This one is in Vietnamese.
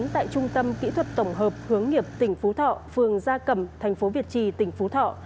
tại trung tâm kỹ thuật tổng hợp hướng nghiệp tỉnh phú thọ phường gia cầm thành phố việt trì tỉnh phú thọ